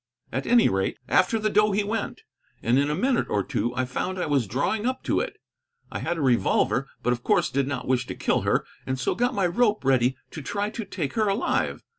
At any rate, after the doe he went, and in a minute or two I found I was drawing up to it. I had a revolver, but of course did not wish to kill her, and so got my rope ready to try to take her alive.